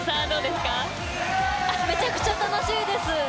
めちゃくちゃ楽しいです。